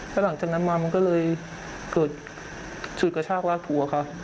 แล้วหลังจากนั้นมามันก็เลยเกิดฉุดกระชากลากหัวเขา